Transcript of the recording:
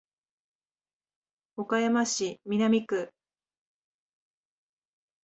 岡山市南区